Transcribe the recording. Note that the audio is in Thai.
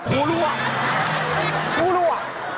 กูรัว